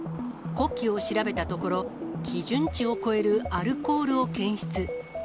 呼気を調べたところ、基準値を超えるアルコールを検出。